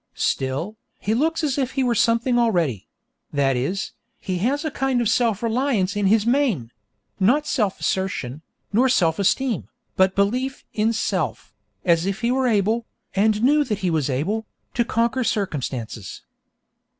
Still, he looks as if he were something already; that is, he has a kind of self reliance in his mien not self assertion, nor self esteem, but belief in self, as if he were able, and knew that he was able, to conquer circumstances.